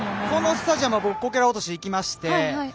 このスタジアムは、僕こけら落としで行きまして。